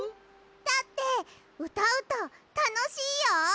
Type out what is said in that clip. だってうたうとたのしいよ！